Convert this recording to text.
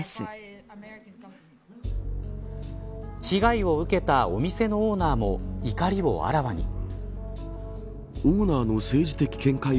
被害を受けたお店のオーナーも怒りをあらわに。